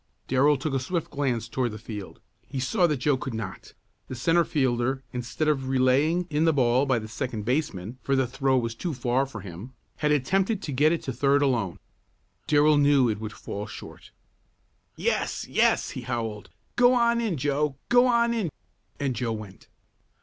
Darrell took a swift glance toward the field. He saw what Joe could not. The centre fielder instead of relaying in the ball by the second baseman (for the throw was too far for him), had attempted to get it to third alone. Darrell knew it would fall short. "Yes! Yes!" he howled. "Go on in, Joe! Go on in!" And Joe went.